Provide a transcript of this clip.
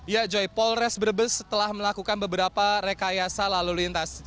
ya joy polres brebes telah melakukan beberapa rekayasa lalu lintas